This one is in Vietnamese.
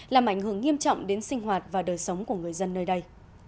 làm ảnh hưởng nghiêm trọng đến sinh hoạt và đời sống của người dân nơi đây